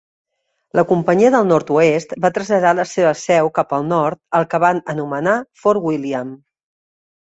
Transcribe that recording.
La companyia del nord-oest va traslladar la seva seu cap al nord, al que van anomenar Fort William.